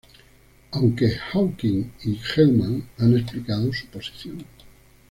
Aunque Hawking y Gell-Mann han explicado su posición.